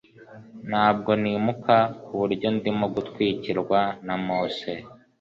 ntabwo nimuka kuburyo ndimo gutwikirwa na mose